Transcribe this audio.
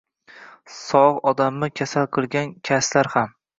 Sog’ odamni kasal qilgan kaslar ham.